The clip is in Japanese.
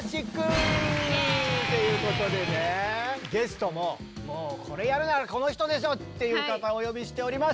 イエーイ！ということでねゲストももうこれやるならこの人でしょ！っていう方お呼びしております！